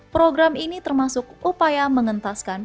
program ini termasuk upaya mengentaskan